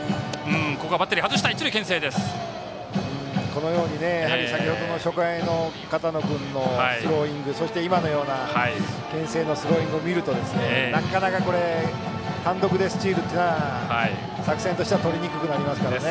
このように初回の片野君のスローイングそして、今のようなけん制のスローイングを見るとなかなか単独スチールというのは作戦としてはとりにくくなります。